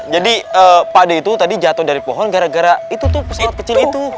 jadi pak dia itu tadi jatuh dari pohon gara gara itu tuh pesawat kecil itu